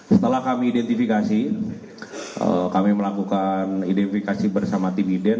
setelah kami identifikasi kami melakukan identifikasi bersama tim ident